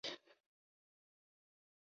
Dept.